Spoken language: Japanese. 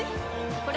これ！